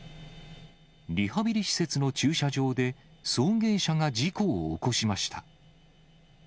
リハビリ施設の駐車場で、送迎車が事故を起こしました。